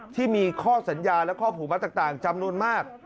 ที่มีข้อสัญญาและข้อผูกมัดต่างจำนวนมาก